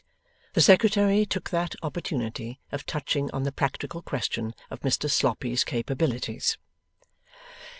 The Secretary took that opportunity of touching on the practical question of Mr Sloppy's capabilities.